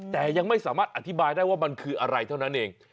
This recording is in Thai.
แต่ยังไม่สามารถอธิบายได้ว่ามันคืออะไรเท่านั้นเอง